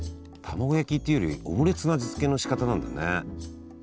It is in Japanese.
たまご焼きっていうよりオムレツの味付けのしかたなんだね。